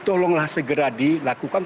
tolonglah segera dilakukan